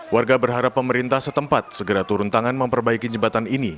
warga berharap pemerintah setempat segera turun tangan memperbaiki jembatan ini